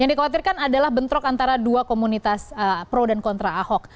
yang dikhawatirkan adalah bentrok antara dua komunitas pro dan kontra ahok